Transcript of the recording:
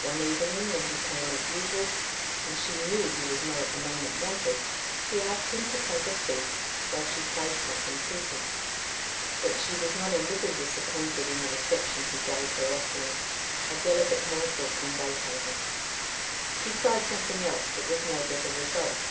One evening when he came as usual, and she knew he was not at the moment wanted, she asked him to take a seat while she played something to him. But she was not a little disappointed in the reception he gave her offering a delicate morsel from Beethoven. She tried something else, but with no better result.